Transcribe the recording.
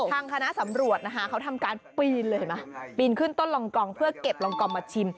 ทางคณะสำรวจนะคะเขาทำการปีนเลยเห็นไหมปีนขึ้นต้นลองกองเพื่อเก็บรองกองมาชิม